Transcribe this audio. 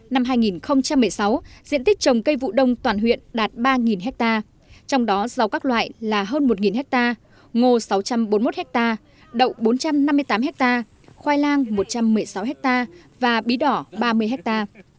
năm hai nghìn một mươi sáu diện tích trồng cây vụ đông toàn huyện đạt ba ha trong đó rau các loại là hơn một ha ngô sáu trăm bốn mươi một ha đậu bốn trăm năm mươi tám ha khoai lang một trăm một mươi sáu ha và bí đỏ ba mươi ha